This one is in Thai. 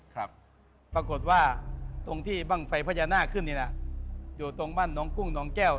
ครับปรากฏว่าตรงที่บ้างไฟพญานาคขึ้นนี่นะอยู่ตรงบ้านน้องกุ้งน้องแก้ว